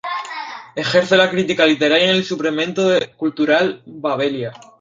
Ejerce la crítica literaria en el Suplemento Cultural Babelia.